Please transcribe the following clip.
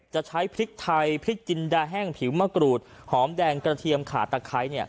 จะใช้พริกไทยพริกจินดาแห้งผิวมะกรูดหอมแดงกระเทียมขาตะไคร้